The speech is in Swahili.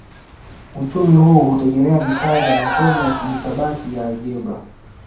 Uchumi huu hutegemea vifaa vya masomo ya kihisabati ya aljebra